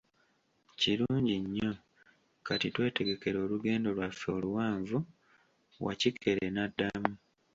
Kirungi nnyo, kati twetegekere olugendo Iwaffe oluwanvu, Wakikere n'addamu.